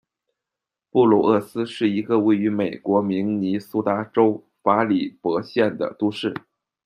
布卢厄斯是一个位于美国明尼苏达州法里博县的都市。